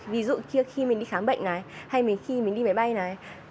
ví dụ khi mình đi khám bệnh này hay khi mình đi máy bay này